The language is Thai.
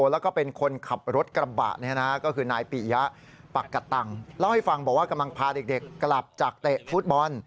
เล่าให้ฟังบอกว่ากำลังพาเด็กกลับจากเตะฟุตบอล